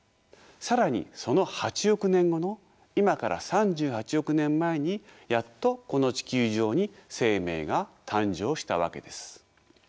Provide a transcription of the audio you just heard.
更にその８億年後の今から３８億年前にやっとこの地球上に生命が誕生したわけです。